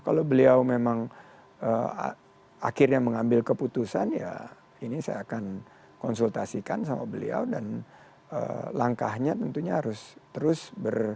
kalau beliau memang akhirnya mengambil keputusan ya ini saya akan konsultasikan sama beliau dan langkahnya tentunya harus terus berjalan